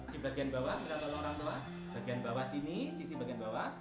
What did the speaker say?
di bagian bawah bagian bawah sini sisi bagian bawah